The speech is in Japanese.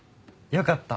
よかった。